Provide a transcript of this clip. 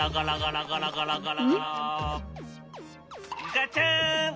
ガチャン！